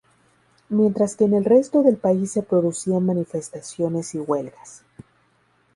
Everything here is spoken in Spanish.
Mientras que en el resto del país se producían manifestaciones y huelgas.